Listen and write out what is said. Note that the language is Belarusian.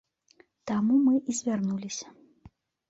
Таму мы і звярнуліся.